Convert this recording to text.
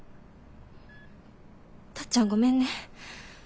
タッちゃんごめんね。